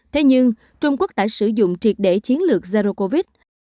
thế nhưng trung quốc đã sử dụng triệt để chiến lược zero covid